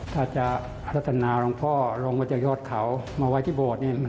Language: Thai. ถ้าจะละสนาหลวงพ่อลงมาจากโยชน์เขามาไว้ที่โบสถ์นี้